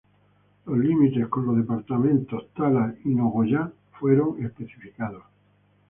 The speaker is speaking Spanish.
Los límites con los departamentos Tala y Nogoyá fueron especificados.